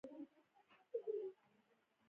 له نیم چالانې تودوخې سره ارام ورسولو.